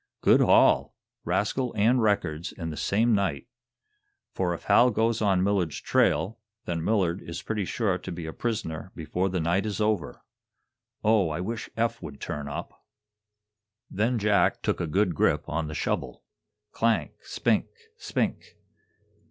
Good haul rascal and records in the same night. For, if Hal goes on Millard's trail, then Millard is pretty sure to be a prisoner before the night is over. Oh, I wish Eph would turn up." Then Jack took a good grip on the shovel. Clank! spink! spink!